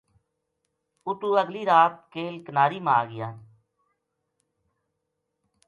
اُتوں اگلی رات کیل کناری ما آ گیا